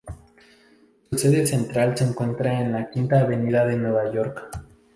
Su sede central se encuentra en la Quinta Avenida de Nueva York.